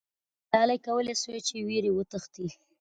ملالۍ کولای سوای چې له ویرې وتښتي.